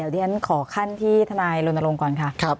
เดี๋ยวขอขั้นที่ทนายโรนโรงก่อนค่ะ